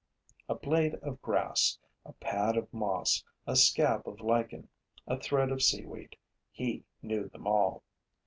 A blade of grass, a pad of moss, a scab of lichen, a thread of seaweed: he knew them all.